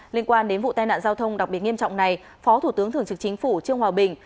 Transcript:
liên quan đến vụ tai nạn giao thông đặc biệt nghiêm trọng này phó thủ tướng thường trực chính phủ trương hòa bình